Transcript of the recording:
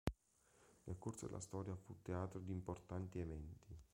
Nel corso della storia fu teatro di importanti eventi.